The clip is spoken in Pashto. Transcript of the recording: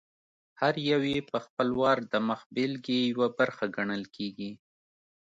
هر یو یې په خپل وار د مخبېلګې یوه برخه ګڼل کېږي.